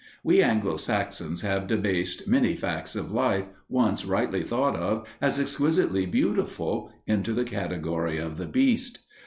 We Anglo Saxons have debased many facts of life, once rightly thought of as exquisitely beautiful, into the category of the beast.